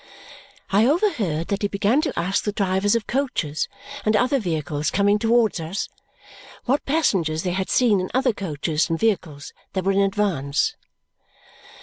I overheard that he began to ask the drivers of coaches and other vehicles coming towards us what passengers they had seen in other coaches and vehicles that were in advance.